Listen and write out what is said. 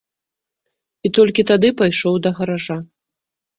І толькі тады пайшоў да гаража.